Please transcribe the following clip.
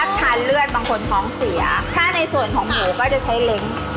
ถ้าทานเลือดบางคนท้องเสียถ้าในส่วนของหมูก็จะใช้เล้ง